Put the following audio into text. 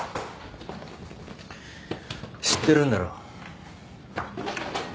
知ってるんだろ？